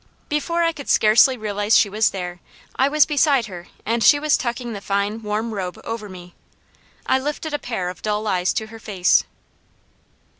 Before I could scarcely realize she was there, I was beside her and she was tucking the fine warm robe over me. I lifted a pair of dull eyes to her face.